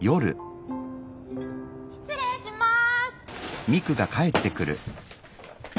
失礼します！